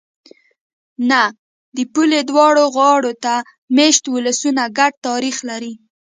نه! د پولې دواړو غاړو ته مېشت ولسونه ګډ تاریخ لري.